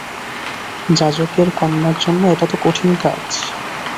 যাজকের কণ্যার জন্য এটা তো কঠিন কাজ।